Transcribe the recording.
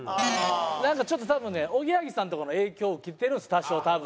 なんかちょっと多分ねおぎやはぎさんとかの影響受けてるんです多少多分。